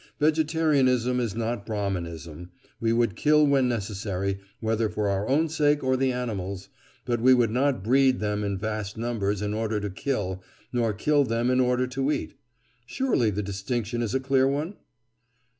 Vegetarianism is not Brahminism; we would kill when necessary, whether for our own sake or the animals', but we would not breed them in vast numbers in order to kill, nor kill them in order to eat. Surely the distinction is a clear one?